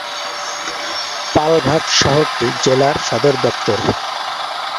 পালঘাট শহরটি জেলার সদর দপ্তর।